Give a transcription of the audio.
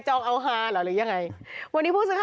จองเอาฮาหหรือยังไงวันนี้พูดถึงค่ะ